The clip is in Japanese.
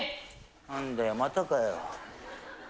何だよまたかよ。